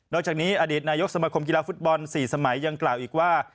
จากนี้อดีตนายกสมคมกีฬาฟุตบอล๔สมัยยังกล่าวอีกว่า